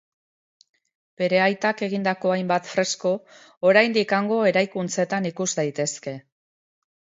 Bere aitak egindako hainbat fresko oraindik hango eraikuntzetan ikus daitezke.